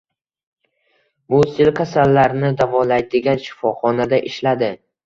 U sil kasallarni davolaydigan shifoxonada ishladi.